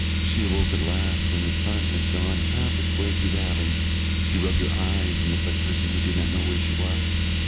She awoke at last when the sun had gone half its way through the heavens. She rubbed her eyes and looked like a person who did not know where she was.